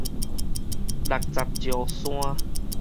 六十石山